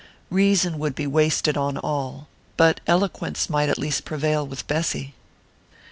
Reason would be wasted on all; but eloquence might at least prevail with Bessy....